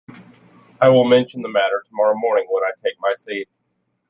I will mention the matter tomorrow morning when I take my seat.